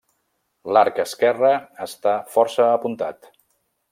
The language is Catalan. L'arc esquerre està força apuntat.